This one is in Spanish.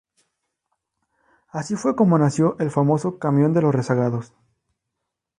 Así fue como nació el famoso "camión de los rezagados".